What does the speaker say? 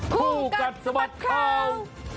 ผู้กัดสบัดข่าว